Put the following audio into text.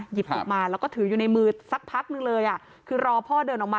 หยิบออกมาแล้วก็ถืออยู่ในมือสักพักนึงเลยอ่ะคือรอพ่อเดินออกมา